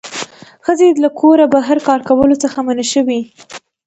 ښځې له کوره بهر کار کولو څخه منع شوې